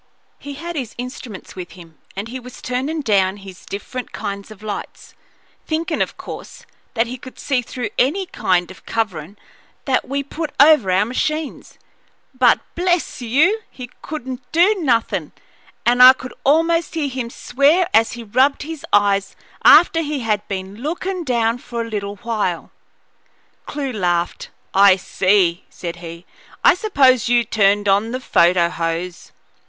He had his instruments with him, and he was turnin' down his different kinds of lights, thinkin', of course, that he could see through any kind of coverin' that we put over our machines; but, bless you! he couldn't do nothin', and I could almost hear him swear as he rubbed his eyes after he had been lookin' down for a little while." Clewe laughed. "I see," said he. "I suppose you turned on the photo hose."